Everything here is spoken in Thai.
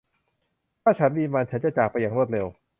ถ้าฉันมีมัน ฉันจะจากไปอย่างรวดเร็ว